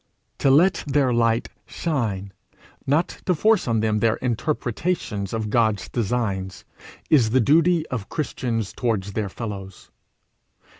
To let their light shine, not to force on them their interpretations of God's designs, is the duty of Christians towards their fellows.